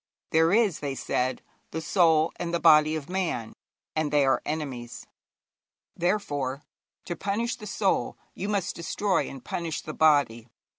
'There is,' they said, 'the soul and the body of man, and they are enemies; therefore, to punish the soul, you must destroy and punish the body.